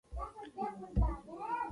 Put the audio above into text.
هغوی یوځای د سپین منظر له لارې سفر پیل کړ.